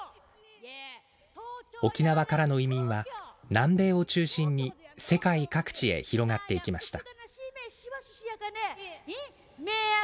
沖縄からの移民は南米を中心に世界各地へ広がっていきました